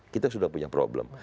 kita sudah punya problem